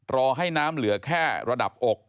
รอให้น้ำเหลือแค่ระดับอก